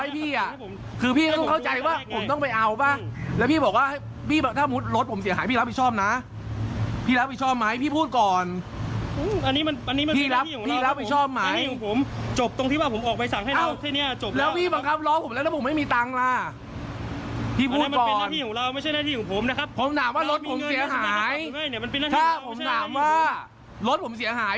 พี่พูดก่อนไม่ใช่หน้าที่ของผมนะครับผมถามว่ารถผมเสียหายถ้าผมถามว่ารถผมเสียหาย